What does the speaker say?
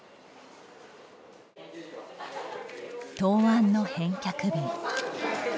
答案の返却日。